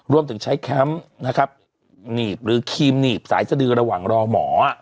รวมถึงใช้แค้มหรือครีมหนีบสายสะดือระหว่างรอหมอ